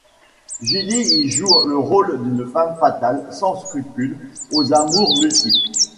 Gillie y joue le rôle d'une femme fatale sans scrupules aux amours multiples.